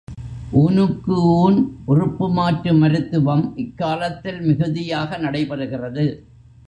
ஊனுக்கு ஊன் உறுப்பு மாற்று மருத்துவம் இக்காலத்தில் மிகுதியாக நடைபெறுகிறது.